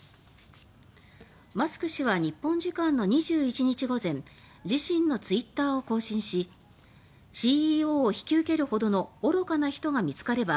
マスク氏は日本時間の２１日午前自身のツイッターを更新し「ＣＥＯを引き受けるほどの愚かな人が見つかれば」